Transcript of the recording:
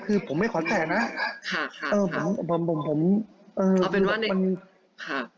คือผมไม่ขอแตกนะค่ะเออผมผมเออเอาเป็นว่ามันค่ะ